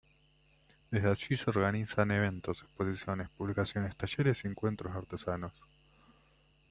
Desde allí se organizan eventos, exposiciones, publicaciones, talleres y encuentros de artesanos.